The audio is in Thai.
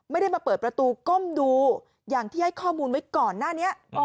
ไม่ได้มาเปิดประตูก้มดูอย่างที่ให้ข้อมูลไว้ก่อนหน้านี้